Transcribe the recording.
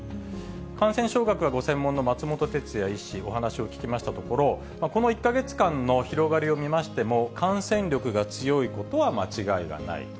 感染症学がご専門の松本哲哉医師、お話を聞きましたところ、この１か月間の広がりを見ましても、感染力が強いことは間違いがない。